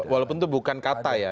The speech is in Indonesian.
walaupun itu bukan kata ya